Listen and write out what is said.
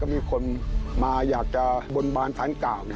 ก็มีคนมาอยากจะบนบานศาลเก่า